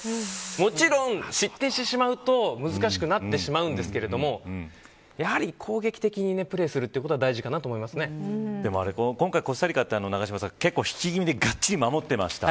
もちろん失点してしまうと難しくなってしまうんですけれどもやはり攻撃的にプレーすることが今回、コスタリカって結構、引き気味でがっちり守ってました。